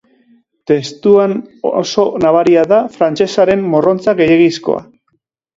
Testuan oso nabaria da frantsesaren morrontza gehiegizkoa.